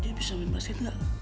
dia bisa main basket gak